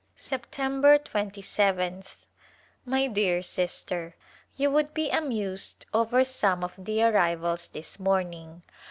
September 2yth, My dear Sister : You would be amused over some of the arrivals this morning.